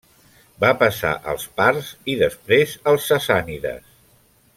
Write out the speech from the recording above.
Va passar als parts i després als sassànides.